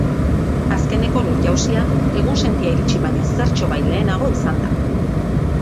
Azkeneko lur-jausia egunsentia iritsi baino zertxobait lehenago izan da.